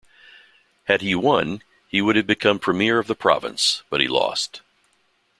Had he won, he would have become premier of the province, but he lost.